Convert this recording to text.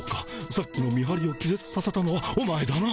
さっきの見はりを気ぜつさせたのはお前だな。